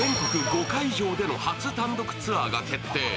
５会場での初単独ツアーが決定。